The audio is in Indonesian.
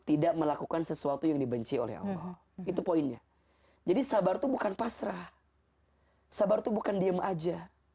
tidak melakukan sesuatu yang dibenci oleh allah itu poinnya jadi sabar tuh bukan pasrah sabar tuh bukan diem aja